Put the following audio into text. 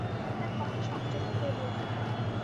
তাই তাঁর কথা সংযত হয়ে বলতে হয়।